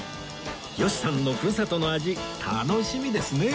吉さんのふるさとの味楽しみですね